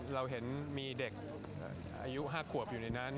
เราเห็นมีเด็กอายุ๕ขวบอยู่ในนั้น